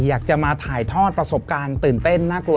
อยากจะมาถ่ายทอดประสบการณ์ตื่นเต้นน่ากลัว